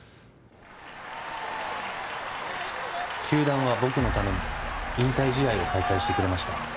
球団は僕のために引退試合を開催してくれました